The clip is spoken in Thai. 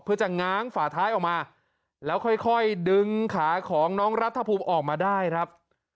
เพื่อจะง้างฝาท้ายออกมาแล้วค่อยดึงขาของน้องรัฐภูมิออกมาได้ครับ